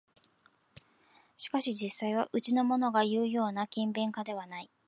しかし実際はうちのものがいうような勤勉家ではない